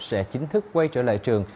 sẽ chính thức quay trở lại trường